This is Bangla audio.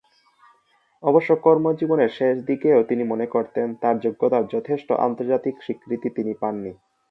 অবশ্য কর্ম জীবনের শেষ দিকেও মনে করতেন, তার যোগ্যতার যথেষ্ট আন্তর্জাতিক স্বীকৃতি তিনি পাননি।